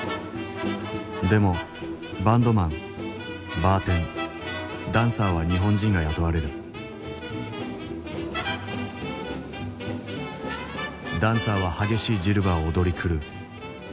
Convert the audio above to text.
でもバンドマンバーテンダンサーは日本人が雇われるダンサーは激しいジルバを踊り狂う。